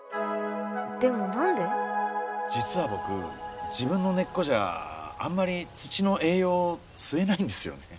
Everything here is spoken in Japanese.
実は僕自分の根っこじゃあんまり土の栄養を吸えないんですよね。